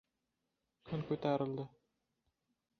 Kun ko‘tarildi.